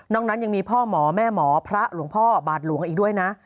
นั้นยังมีพ่อหมอแม่หมอพระหลวงพ่อบาทหลวงอีกด้วยนะ